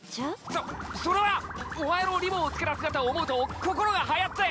そそれはお前のリボンをつけた姿を思うと心がはやって。